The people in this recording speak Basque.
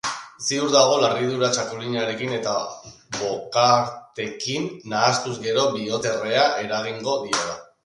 Ziur dago larridura txakolinarekin eta bokartekin nahastuz gero bihotzerrea eragingo diola.